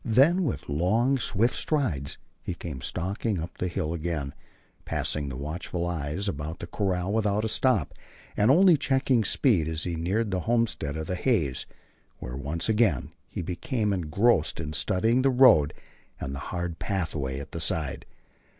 Then with long, swift strides he came stalking up the hill again, passing the watchful eyes about the corral without a stop, and only checking speed as he neared the homestead of the Hays, where, once again, he became engrossed in studying the road and the hard pathways at the side.